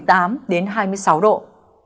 đêm và sáng sớm trời rải rác